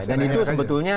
dan itu sebetulnya